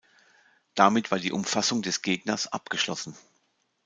Damit war die Umfassung des Gegners abgeschlossen.